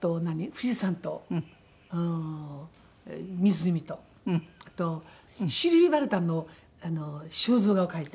富士山と湖とあとシルヴィ・ヴァルタンの肖像画を描いて。